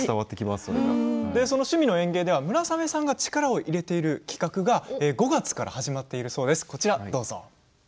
「趣味の園芸」では村雨さんが力を入れている企画が５月から始まっているそうです。